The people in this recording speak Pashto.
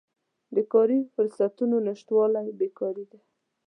د کاري فرصتونو نشتوالی بیکاري ده.